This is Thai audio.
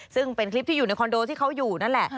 ซึ่งเป็นคลิปที่อยู่ในคอนโดที่เขาอยู่นั่นแหละ